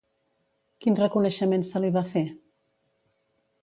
Quin reconeixement se li va fer?